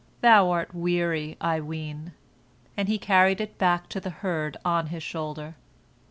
Thou art weary, I ween," and he carried it back to the herd on his shoulder.